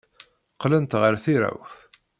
Qqlent ɣer tirawt.